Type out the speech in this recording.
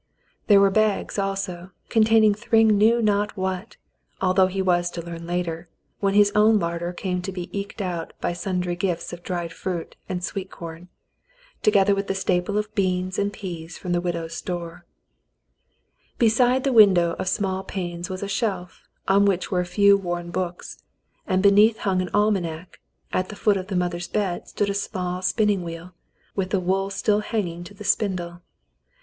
There were bags also, containing Thryng knew not what, although he was to learn later, when his own larder came to be eked out by sundry gifts of dried fruit and sweet corn, together with the staple of beans and peas from the widow's store. Beside the window of small panes was a shelf, on which were a few worn books, and beneath hung an almanac; at the foot of the mother's bed stood a small spinning wheel, with the wool still hanging to the spindle.